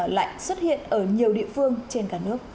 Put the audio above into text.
lại xuất hiện ở nhiều địa phương trên cả nước